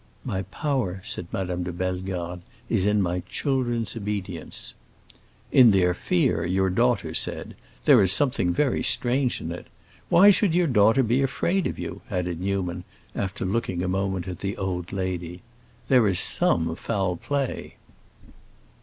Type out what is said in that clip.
"My power," said Madame de Bellegarde, "is in my children's obedience." "In their fear, your daughter said. There is something very strange in it. Why should your daughter be afraid of you?" added Newman, after looking a moment at the old lady. "There is some foul play."